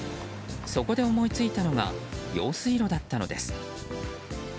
そこで思いついたのが用水路だったのです。